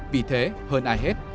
vì thế hơn ai hết